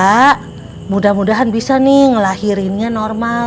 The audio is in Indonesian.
ya mudah mudahan bisa nih ngelahirinnya normal